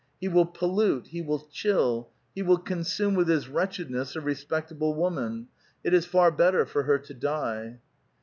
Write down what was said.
He will pollute, he will chill, he will consume with his wretchedness a respectable woman ; it is far better for her to die.